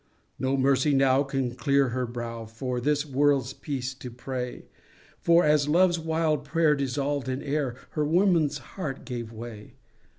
No mercy now can clear her brow From this world's peace to pray For as love's wild prayer dissolved in air, Her woman's heart gave way!